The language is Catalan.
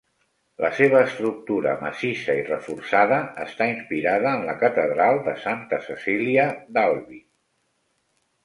La seva estructura massissa i reforçada està inspirada en la catedral de Santa Cecília d'Albi.